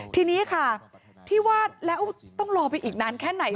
ทีนี้ค่ะที่วาดแล้วต้องรอไปอีกนานแค่ไหน